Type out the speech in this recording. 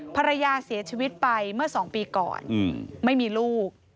ภรรยาเสียชีวิตไปเมื่อ๒ปีก่อนไม่มีลูก